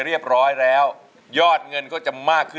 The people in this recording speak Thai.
นี่พร้อมอินโทรเพลงที่สี่มาเลยครับ